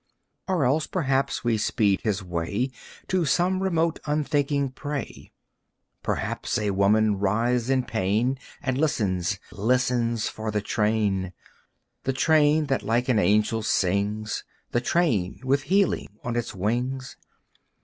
Or else, perhaps, we speed his way To some remote unthinking prey. Perhaps a woman writhes in pain And listens listens for the train! The train, that like an angel sings, The train, with healing on its wings.